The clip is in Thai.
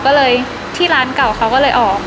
ก็เลยที่ร้านเก่าเขาก็เลยออก